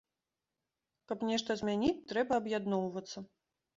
Каб нешта змяніць, трэба аб'ядноўвацца.